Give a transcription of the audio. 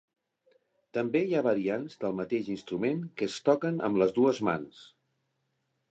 També hi ha variants del mateix instrument que es toquen amb les dues mans.